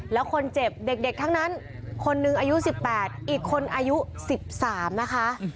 แล้วคนเจ็บเด็กทั้งนั้นคนหนึ่งอายุ๑๘อีกคนอายุ๑๓นะคะ